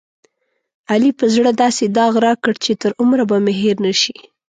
علي په زړه داسې داغ راکړ، چې تر عمره به مې هېر نشي.